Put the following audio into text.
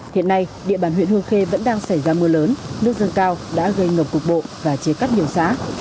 hiện nay địa bàn huyện hương khê vẫn đang xảy ra mưa lớn nước dâng cao đã gây ngập cục bộ và chia cắt nhiều xã